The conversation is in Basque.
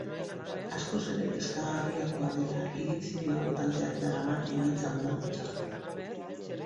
Askoz ere kezkagarriagoa dela iritzi dio taldeak daraman emaitza bolada txarra.